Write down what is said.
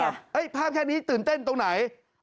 ภาพแค่นี้ตื่นเต้นตรงไหน